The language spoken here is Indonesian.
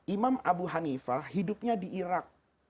imam abu hanifah hidupnya di irak